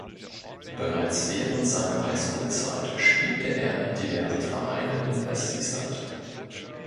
Bereits während seiner Highschoolzeit spielte er in diversen Vereinen in West Island.